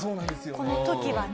この時はね。